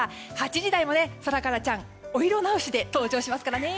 ８時台もソラカラちゃんお色直しで登場しますからね。